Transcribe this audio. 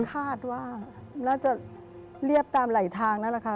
คาดว่าน่าจะเรียบตามไหลทางนั่นแหละค่ะ